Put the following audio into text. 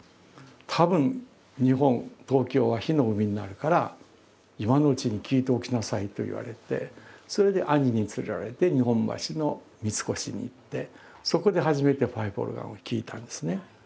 「たぶん日本東京は火の海になるから」と言われてそれで兄に連れられて日本橋の三越に行ってそこで初めてパイプオルガンを聴いたんですね。